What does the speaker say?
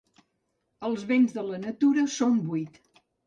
Els béns de la natura són vuit.